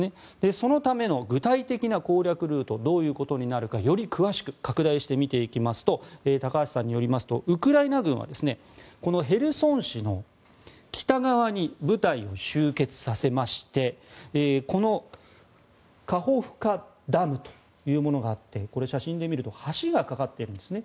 そのための具体的な攻略ルートどういうことになるかより詳しく拡大して見ていきますと高橋さんによりますとウクライナ軍はこのヘルソン市の北側に部隊を集結させましてカホフカダムというものがあってこれ、写真で見ると橋が架かっているんですね。